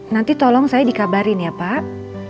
nanti tolong saya dikabarin ya pak